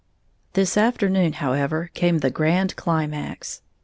"] This afternoon, however, came the grand climax.